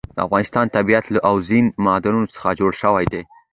د افغانستان طبیعت له اوبزین معدنونه څخه جوړ شوی دی.